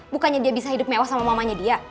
bukannya dia bisa hidup mewah sama mamanya dia